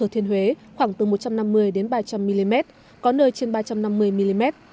thiên huế khoảng từ một trăm năm mươi đến ba trăm linh mm có nơi trên ba trăm năm mươi mm